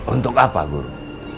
untuk apa guru